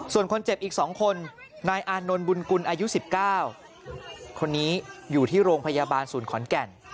ส่วนคนเจ็บอีก๒คนนายอานนท์บุญกุลอายุ๑๙คนนี้อยู่ที่โรงพยาบาลศูนย์ขอนแก่น